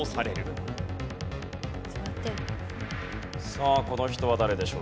さあこの人は誰でしょうか？